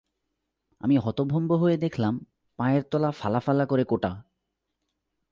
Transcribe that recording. আমি হতভম্ব হয়ে দেখলাম, পায়ের তলা ফালা-ফালা করে কোটা!